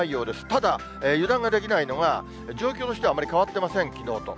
ただ、油断ができないのが、状況としてはあまり変わってません、きのうと。